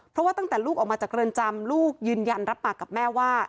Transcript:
เพราะว่าตั้งแต่ลูกออกมาจากเรือนจำลูกยืนยันรับปากกับแม่ว่า